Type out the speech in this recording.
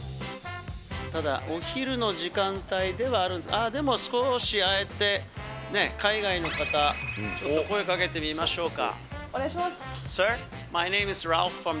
ただ、お昼の時間帯ではあるんですが、ああでも、少しああやって、海外の方、ちょっと声かけてみましょうか。